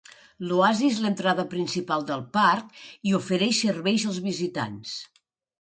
L'Oasi és l'entrada principal del parc i ofereix serveis als visitants.